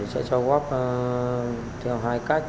sẽ cho góp theo hai cách